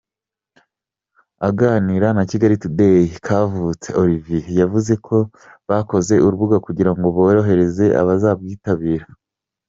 Aganira na Kigali Today, Kavutse Olivier yavuze ko bakoze urubuga kugira ngo borohereze abazabwitabira.